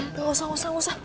gak usah gak usah gak usah